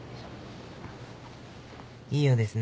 いいようですね。